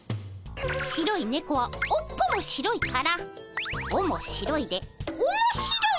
白いねこは尾っぽも白いから尾も白いで面白い。